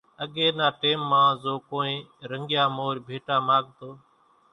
اڳي نا ٽيم مان زو ڪونئين رنڳيا مورِ ڀيٽا ماڳتو،